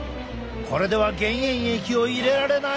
これでは減塩液を入れられない。